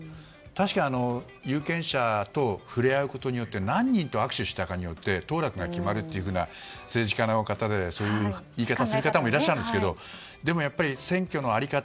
確かに有権者と触れ合うことによって何人と握手したかによって当落が決まるというような政治家の方で、そういう言い方をする方もいらっしゃいますがでもやっぱり選挙の在り方